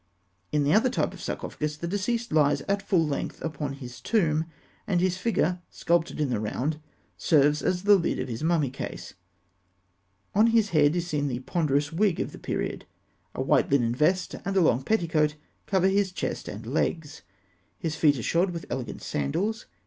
In the other type of sarcophagus, the deceased lies at full length upon his tomb, and his figure, sculptured in the round, serves as the lid of his mummy case. On his head is seen the ponderous wig of the period. A white linen vest and a long petticoat cover his chest and legs. His feet are shod with elegant sandals.